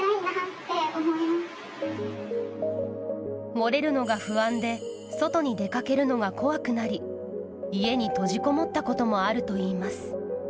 漏れるのが不安で外に出かけるのが怖くなり家に閉じこもったこともあるといいます。